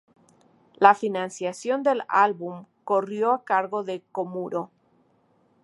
La financiación del álbum corrió a cargo de Komuro.